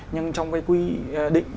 nhưng trong cái quy định